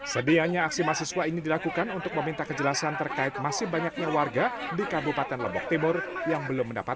sebelumnya mereka sempat mencoba menghadang menteri risma yang langsung disambutkan tangan dari sang menteri